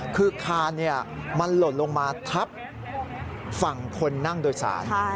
คือคานมันหล่นลงมาทับฝั่งคนนั่งโดยสาร